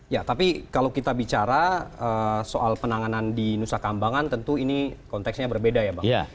ya tapi kalau kita bicara soal penanganan di nusa kambangan tentu ini konteksnya berbeda ya bang